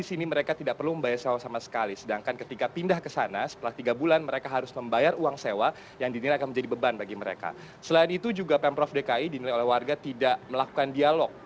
selain itu juga pemprov dki dinilai oleh warga tidak melakukan dialog